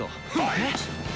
えっ！